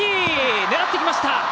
狙ってきました！